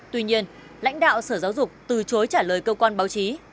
tuy nhiên lãnh đạo sở giáo dục từ chối trả lời cơ quan báo chí